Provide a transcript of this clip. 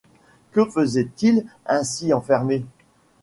Que faisait-il ainsi enfermé?